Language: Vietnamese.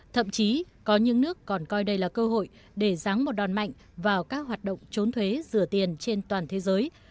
thậm chí có những nước còn coi đây là cơ hội để ráng một đòn mạnh vào các hoạt động trốn thuế rửa tiền trên toàn thế giới